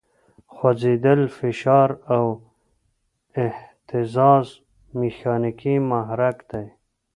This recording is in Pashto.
خوځېدل، فشار او اهتزاز میخانیکي محرک دی.